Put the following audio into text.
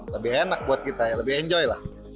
lebih enak buat kita ya lebih enjoy lah